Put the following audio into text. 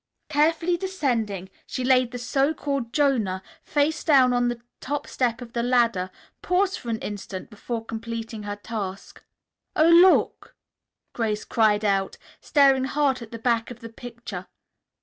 Carefully descending, she laid the so called Jonah face down on the top step of the ladder, paused for an instant before completing her task. "Oh, look!" Grace cried out, staring hard at the back of the picture.